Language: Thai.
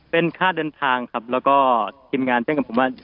เป็นค่าเดินทางครับแล้วก็ทีมงานแจ้งกับผมว่า